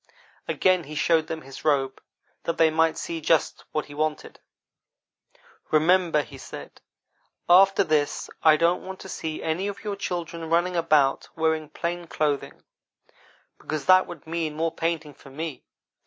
Again he showed them his robe, that they might see just what he wanted. "'Remember,' he said, 'after this I don't want to see any of your children running about wearing plain clothing, because that would mean more painting for me.